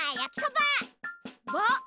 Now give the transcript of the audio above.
ば。